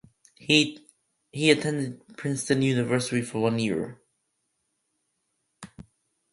He attended Princeton University for one year.